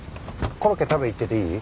コロッケ食べに行ってていい？